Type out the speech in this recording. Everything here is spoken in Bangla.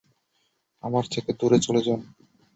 আমার থেকে দুরে চলে যান!